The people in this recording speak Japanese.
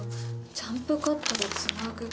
「ジャンプカットでつなぐ」。